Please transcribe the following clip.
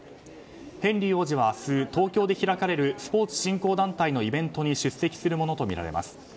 ヘンリー王子は明日東京で開かれるスポーツ振興団体のイベントに出席するものとみられます。